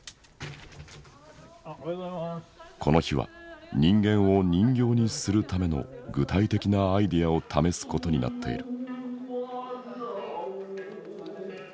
この日は人間を人形にするための具体的なアイデアを試すことになっている。